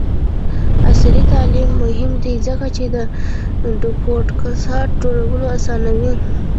عصري تعلیم مهم دی ځکه چې د پوډکاسټ جوړولو اسانوي.